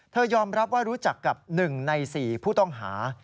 ยอมรับว่ารู้จักกับ๑ใน๔ผู้ต้องหา